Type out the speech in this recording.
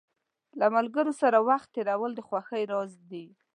له ملګرو سره وخت تېرول د خوښۍ راز دی.